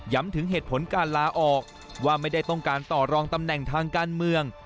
ถึงเหตุผลการลาออกว่าไม่ได้ต้องการต่อรองตำแหน่งทางการเมือง